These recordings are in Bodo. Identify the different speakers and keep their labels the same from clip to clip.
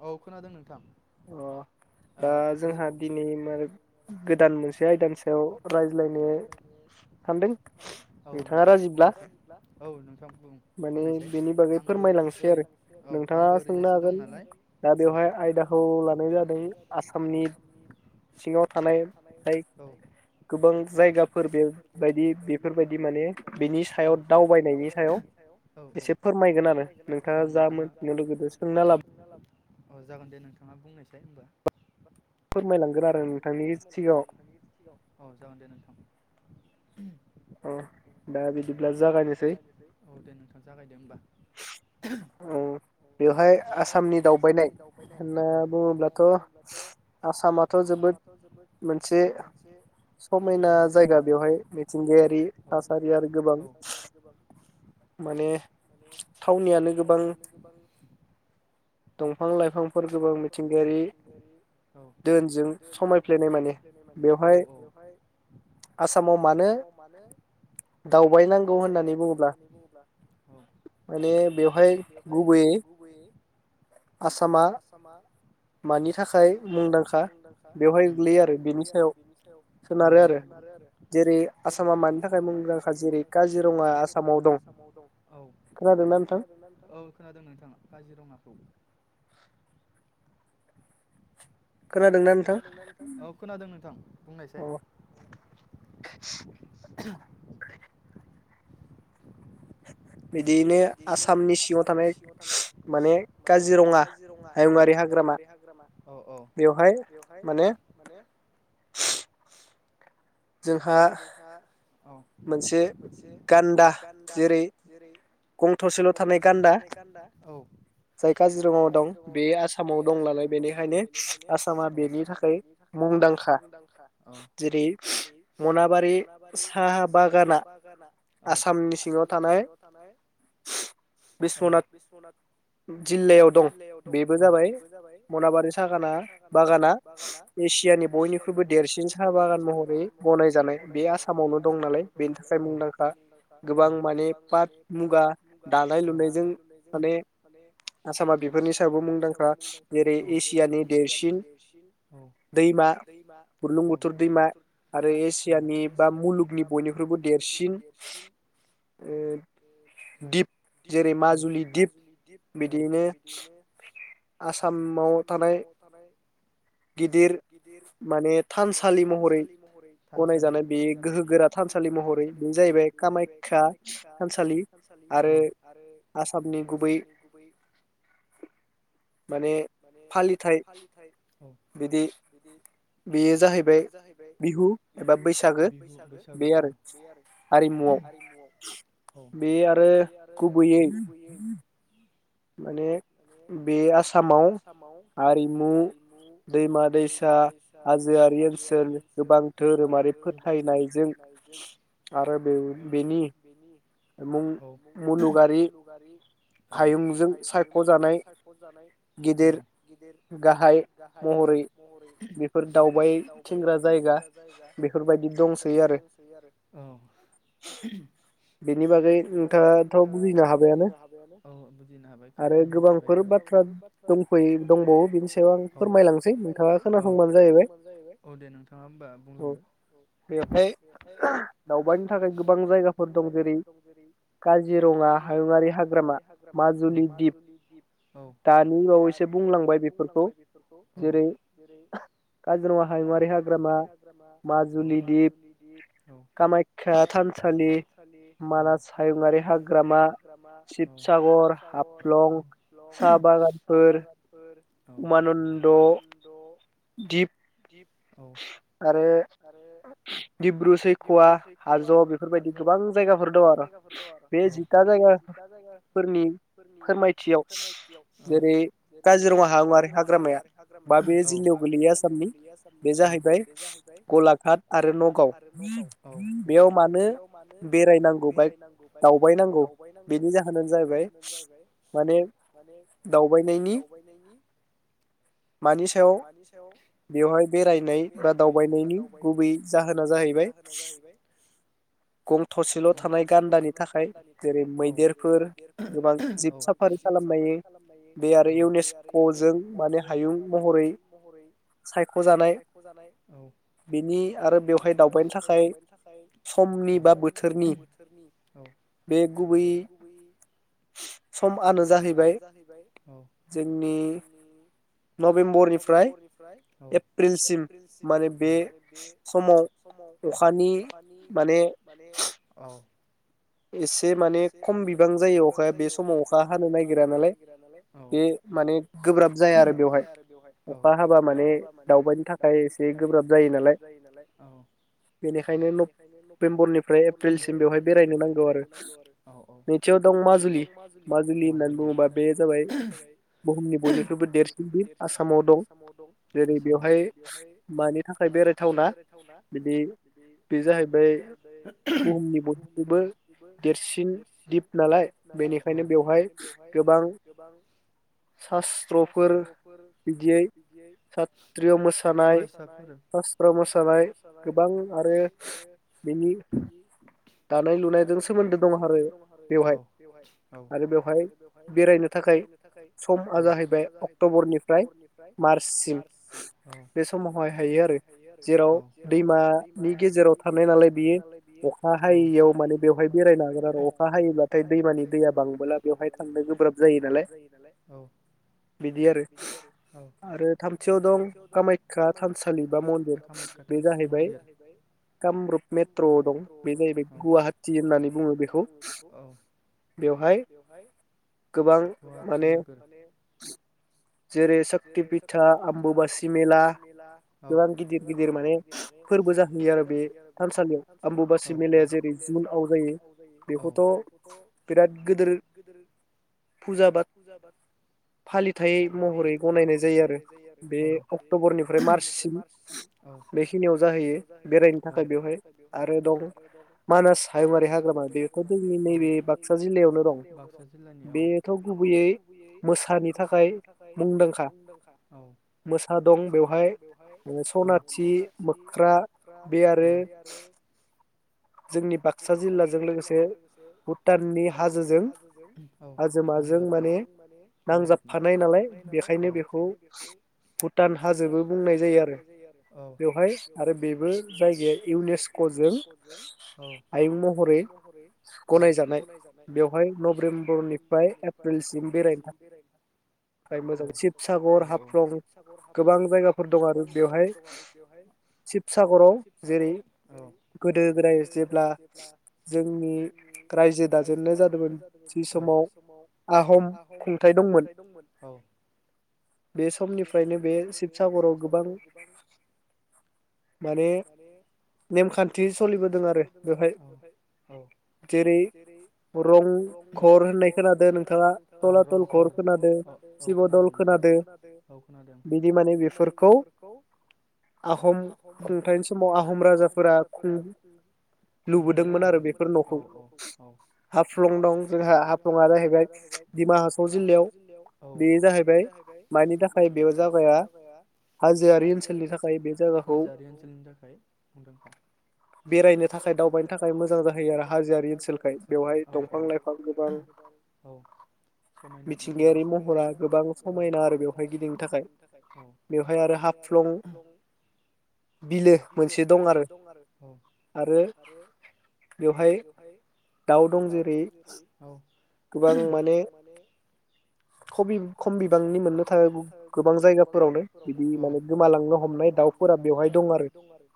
Speaker 1: औ खोनादों नोंथां ज दि गोदान मोनसे आयदानि सायाव रायलायनो औ नोंथां बुंसाय औ नोंथां बुंनायसाय आंबो ओरैनो
Speaker 2: नोंथाङा सोंनो हागोन दा बेवहाय आयदाखौ खौ लानाय जादों आसामनि सिङाव थानाय जाय गोबां जायगाफोर बेबायदि बेफोरबायदि माने बेनि सायाव दावबायनायनि सायाव एसे फोरमायगोन आरो नोंथाङा जा मोन मलगदो सोंना लाबो
Speaker 1: अ जागोन दे नोंथाङा बुंनायसाय होमबा खौ फोरमायलांगोन आरो नोंथांनि औ जागोन दे नोंथां उ [unintelligible]
Speaker 2: अ दा बिदिब्ला जागायनोसै
Speaker 1: दो होमबा
Speaker 2: [inaudible]
Speaker 1: बेवहाय आसामनि दावबायनाय औ होनना बुङोब्लााथ' आसामाथ' जोबोद मोनसे समायना जाया जाया बेवहाय मिथिंगायारि आरो गोबां माने
Speaker 2: यानो
Speaker 1: थावनियानो गोबां दंफां लाइफांफोर गोबां मिथिंगायारि दोनजों समायफ्लेनाय माने बेवहाय आसामाव मानो दावबायनांगौ होननानै बुङोब्ला माने बेवहाय गुबैयै आसामा मानि थाखाय मुंदांखा बेवहाय गोलैयो आरो बेनि सायाव औां आरो आरो जेरै आसामा मानि थाखाय मुंदांखा जेरै काजिरङा आसामाव दं औ
Speaker 2: [inaudible]
Speaker 1: खोनादों औ खोनादों नोंथाङा काजिरङाखौ खोनादों दा नोंथां औ खोनादों नोंथां बुंनायसाय बिदियैनो आसामनि सिङाव थानाय माने काजिरङा औ हायुंआरि हाग्रामा औ औ बेवहाय माने [inaudible] जोंहा औ
Speaker 2: मोनसे गान्दा जेरै गं थसेल' थानाय गान्दा जाय काजिरङायाव दं बे आसामाव दं नालाय बेनिखायनो आसामा बेनि थाखाय मुंदांखा जेरै मना
Speaker 1: मनाबारि साहा बागाना औ आसामनि सिङाव थानाय औ बिस्वनाथ जिल्लायाव दं औ बेबो जाबाय मनाबारि साहागाना बागाना एसियानि बयनिख्रुइबो देरसिन साहा बागान महरै बनायजानाय बे आसाम आसामावनो दं नालाय थाखाय मुंदांखा गोबां माने पाट मुगा दानाय लुनायजों माने आसामा बेफोरनि सायावबो मुंदांखा जेरै एसियानि देरसिन दैमा बुरलुंबुथुर दैमा आरो एसियानि बा मुलुगनि बयनिख्रुबो देरसिन दिप जेरै माजुलि दिप
Speaker 2: बिदिनो आसामाव थानाय गिदिर माने थानसालि महरै गनायजानाय बे गोहो
Speaker 1: गोहो गोरा थानसालि महरै बे जाहैबाय कामाख्या थानसालि आरो आसामनि गुबै
Speaker 2: माने फालिथाय बिदि बेयो जाहैबाय बिहु एबा बैसागो बे आरो आरिमुआव बे आरो गुबैयै माने बे आसामाव हारिमु दैमा दैसा हाजोआरि ओनसोल गोबां धोरोमारि फोथायनायजों आरो बे बेनि मुलुगारि हायुंजों सा
Speaker 1: जों सायख' जानाय गिदिर गाहाय महरै बेफोर दावबाय ग्रा जायगा बेफोरबायदि दंसै आरो औ बेनि बागै नोंथाङाथ' बुजिनो हाबायानो औ बुजिनो हाबाय खोन मिथिबाय गोबांफोर बाथ्रा दंफै दंबावो बेखौ आं फोरमायलांनोसै औ नोंथाङा खोनासंबानो जाहैबाय औ दे नोंथाङा होनबा बुंलांदो औहाय दावबायनि थाखाय गोबां
Speaker 2: दं जेरै काजिरङा हायुंङारि हाग्रामा माजुलि दिफ
Speaker 1: माजुलि दिप औ दानिबावैसो बुंलांबाय बेफोरखौ औ जेरै काजिरङा हायुङारि हाग्रामा औ माजुलि दिप औ कामायख्या थानसालि नि औ मानास हायुंङारि हाग्रामा औ शिबसागर हाफ्लं सा बागानफोर
Speaker 2: उमानन्द' दिप
Speaker 1: दिप
Speaker 2: आरो दिब्रु सैखवा हाज' बेफोरबायदि गोबां जायगाफोर दं आरो बे जिथा जायगाफोरनि फोरमा
Speaker 1: फोरमायथियाव औ जेरै काजिरङा हायुंआरि हाग्रामाया औ माबे जिल्लयाव गोलैयो आसामनि?
Speaker 2: जाहैबाय गलाघाट आरो नगाव बेयाव मानो बेरायनांगौ बाय दावबायनांगौ बेनि जाहोनानो जाहैबाय माने दावबायनायनि मानि सायाव बेवहाय बेरायनाय बा दावबायनायनि गुबै जाहोना जाहैबाय गं थसेल' थानाय गान्दानि थाखाय जेरै मैदेरफोर गोबां जिब साफारि खालामनाय बे आरो इउनेस्क' जों माने हायुं म
Speaker 1: हायुं महरै सायख'जानाय औ बेनि आरो बेवहाय दावबायनि थाखाय समनि बा बोथोरनि औ बे गुबै समआनो जाहैबाय औ जोंनि
Speaker 2: नबे
Speaker 1: नभेम्बरनिफ्राय एप्रिलसिम माने बे समाव अखानि माने अ [inaudible]
Speaker 2: एसे माने खम बिबां जायो अखाया बे समाव अखा हानो नागिरा नालाय बे माने गोब्राब जाया आरो बेवहाय।
Speaker 1: बेवहाय औ अखा हाबा माने दावबायनि थाखाय एसे गोब्राब जायो नालाय औ बेनिखायनो नभ भेम्बरनिफ्राय एप्रिलसिम बेवहाय बेरायनो नांगौ आरो औ औ नोंथियाव दं माजुलि माजुलि होननानै बुङोबा बे जाहैबाय बयनिख्रुइबो देरसिन आसामाव दं आसामाव जेरै बेवहाय मानि थाखाय बेरायथावना बिदि बे जाहैबाय बुहुमनि बयनि
Speaker 2: देरसिन दिप नालाय बेनिखायनो बेवहाय गोबां सास्त्रफोर
Speaker 1: फोर बिदियै सत्रिय' फरायसाफोर सासत्र मोसानाय गोबां आरो बिनि दानाय लुनायजों सोमोन्दो दं आरो औ बेवहाय औ आरो बेवहाय बेरायनो थाखाय समा जाहैबाय अक्ट'बरनिफ्राय मार्चसिम बे समावहाय हायो आरो जेराव दैमानि गेजेराव थानाय नालाय बियो अखा हायियाव माने बेवहाय बेरायनोहागोन आरो अखा हायोब्लाथाय दैमानि दैया बांबोला बेवहाय थांनो गोब्राब जायो नालाय औ बिदि आरो औ आरो थामथियाव दं कामाख्या थानसालि बा जाहैबाय कामरुप मेट्र गुवाहटि होननानै बुङो बेखौ औ बेवहाय नोगोर माने
Speaker 2: जेरै सशक्ति फिता आम्बु बासि मेला गोबां गिदिर गिदिर माने फोरबो जाहैयो आरो बे थानसालियाव आम्बु बासि मेलाया जेरै जुन आव जायो बेखौथ' बिराद गिदिर फुजा बा फालिथाय
Speaker 1: फालिथाय महरै गनायनाय जायो आरो बे अक्टनिफ्राय मार्चसिम औ बेखिनियाव जाहैयो बेरायनो थाखाय बेवहाय
Speaker 2: मानास हायुंङआारि हाग्रामा बेखौ जोंनि नैबे बाक्सा जिल्लायावनो दं बेथ' गुबैयै मोसानि थाखाय
Speaker 1: मुंदांखा मोसा दं बेवहायो सनाथि मोख्रा बे आरो जोंनि बाक्सा जिल्लाजों लोगोसे भुटाननि हाजोजों औ नांजाबो माने नांजाब
Speaker 2: बेखायनो बेखौ भुटान हाजोबो बुंनाय जायो आरो बेवहाय आरो बेबो जायगाया इउनेस्क'जों
Speaker 1: जों औ आयुं महरै औ गनायजानाय बेवहाय नभेम्बरनिफ्राय एप्रिलसिम बेरायनो औ औ शिबसागर हाफ्लं गोबां जायगाफोर दं आरो बेवहाय शिबसागराव
Speaker 2: गोदो गोदाय जेब्ला जोंनि रायजो दाजेननाय जादोंमोन जि समाव आहम खुंथायाइ दंमोन बे समनिफ्रायनो बे शिबसागराव गोबां माने नेमखान्थि
Speaker 1: नेमखान्थि सोलिबोदों आरो बेहाय औ जेरै रं खघर होननाय खोनादो नोंथाङा थलाथल घर औ खोनादों खोन औ खोनादों बिदि मान बेफोरखौ आहम खुंथायनि समाव आहम राजाफोरा खुंनानै गालांबोदोंमोन आरो बे हाफ्लं दं जोंहा हाफ्लंआ जाहैबाय दिडिमा हासाव जिल्लायाव औ बेयो जाहैबाय मानि थाखाय बेयाव जाबाया हाजोआरि ओनसोलनि थाखाय हाजोआरि ओनसोलनि थाखाय मुंदांखा बेरायनो थाखाय दावबायनो थाखाय मोजां जाहैयो आरो हाजोआरि ओनसोलखाय औ औ दंफां लाइफां गोबां औ समायना मिथिंगा दगायारि महरा गोबां समायना आरो बेवहाय गिदिंनो थाखाय बेवहाय आरो हफदं बिलो मोनसे दं आरो
Speaker 2: आरो बेवहाय दाउ दं जेरै
Speaker 1: गोबां माने खम बिबांनि मोननो थाखाय गोबां जायगाफोरावनो माने गोमालांनो हमनाय दाउफोरा बेवहाय दं आरो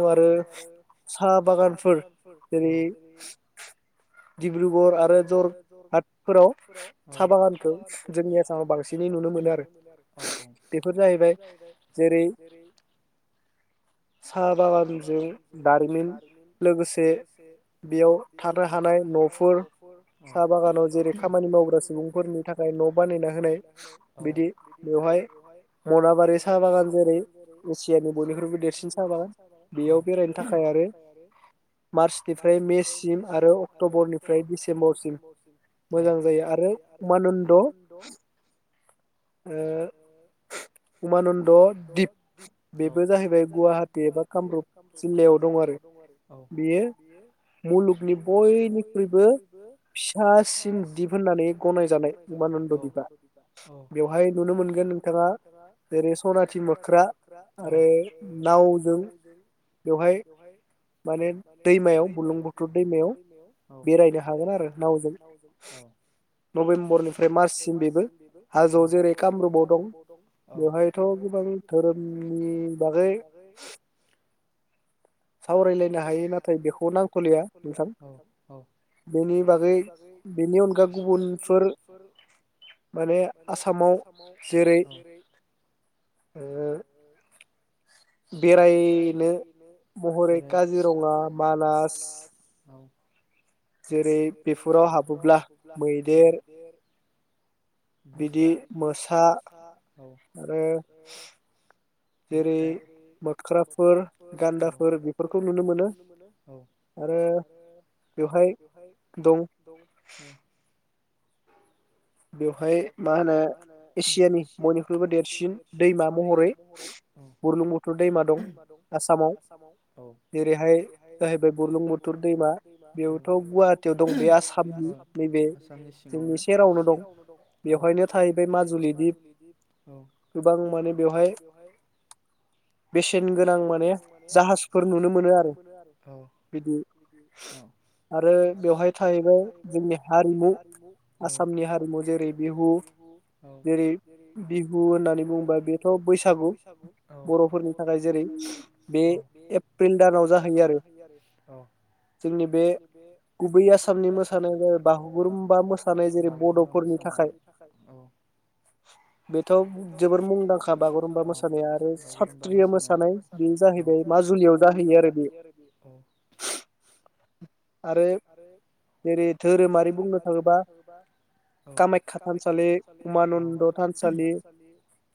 Speaker 1: बेवहाय दं आरो साहा बागानफोर जेरै डब्रुगर आरो जरहाट हादरफोराव साहा बागानखौ जोंनि आसामाव बांसिन नुनो मोनो आरो औ औ बेफोर जाहैबाय जेरै साहा बागानजों दारिमिन लोगोसे बेयाव थानो हानाय न'फोर साहा बागानाव जेरै खामानि मावग्रा सुबुंफोरनि थाखाय न' बानायना होनाय औ बिदि बेवहाय मनाबारि साहा बागान जेरै एसियानि बयनिख्रबो दे
Speaker 2: बेयाव बेरायनो थाखाय आरो मार्चनिफ्राय मेसिम आरो अक्ट'बरनिफ्राय डिसेम्बरसिम मोजां जायो आरो उमानन्द
Speaker 1: उमानन्द दिप औ बेबो जाहैबाय गुवाहाटि एबा कामरुप जिल्लायाव दं आरो औ बेयो मुलुगनि बयनिख्रुइबो फिसासिन दिप होननानै गनायजानाय औ उमानन्द दिपआ औ बेवहाय नुनो मोनगोन नोंथाङा जेरै सनाथि मोख्रा औ आरो नावजों बेवहाय माने दैमायाव बुरलुं बुथुर दैमायाव औ बेरायनो हागोन आरो नावजों औ नभेम्बरनिफ्राय मार्चसिम बे
Speaker 2: हाज'आव जेरै
Speaker 1: जेरै कामरुपाव दं औ बेवहायथ' गोबां धोरोमनि बागै
Speaker 2: सावरायलायनो हायो नाथाय बेखौ नांथ'लिया नोंथां बेनि बागै बेनि अनगा गुबुनफोर माने आसामाव जेरै ओ
Speaker 1: बेरायनो महरै काजिरङा मानास औ जेरै बेफोराव हाबोब्ला मैदेर मोसा बिदि मोसा औ आरो मोख्रा जेरै मोख्राफोर औ गान्दाफोर बेफोरखौ नुनो मोनो औ आरो बेवहाय दं ओ बेवहाय मा होनो एसियानि बयनिख्रुइबो देरसिन दैमा महरै औ बुरलुं बुथुर दैमा दं आसामाव औ जेरैहाय जाहैबाय बुरलुंबुथुर दैमा औ बेयाव
Speaker 2: खाथियाव दं बे आसामनि नैबे जोंनि सेरावनो दं
Speaker 1: औ बेवहायनो थाहैबाय माजुलि दिप औ गोबां माने बेवहाय बेसेन गोनां माने जाहाजफोर नुनो मोनो आरो औ बिदि औ
Speaker 2: बेवहाय थाहैबाय जोंनि हारिमु आसामनि हारि
Speaker 1: जेरै बिहु औ जेरै बिहु होननानै बुंङोबा बेथ' बैसागु औ बर'फोरनि थाखाय जेरै औ बे एप्रिल दानाव जाहैयो आरो औ जोंनि बे
Speaker 2: गुबै आसामनि मोसानाया जाबाय बागुरुम्बा मोसानाय जेरै बड'
Speaker 1: नि थाखाय औ बेथ' जोबोर मुंदांखा औ दा बागुरुमबा मोसानाया [unintelligible] जाहैबाय माजुलियाव जाहैयो आरो बेयो औ
Speaker 2: आरो जेरै धोरोमारि बुंनो थाङोबा
Speaker 1: औ कामाख्या थानसालि उमानन्द थानसालि